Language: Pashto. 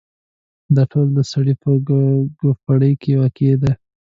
دا ټول د سر په کوپړۍ کې واقع دي.